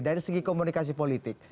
dari segi komunikasi politik